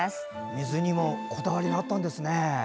水にもこだわりがあったんですね。